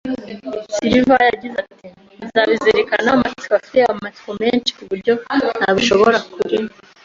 Silver yagize ati: "Nzabizirikana", amatsiko afite amatsiko menshi kuburyo ntabishobora, kuri